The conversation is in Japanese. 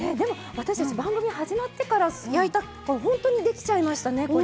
私たち番組始まってから焼いて本当にできちゃいましたね、これ。